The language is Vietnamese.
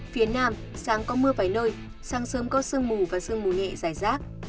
phía nam sáng có mưa vài nơi sáng sớm có sương mù và sương mù nhẹ dài rác